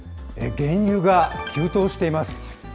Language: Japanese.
原油が急騰しています。